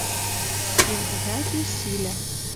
Йӹлгӹжӓлтеш шилӓ.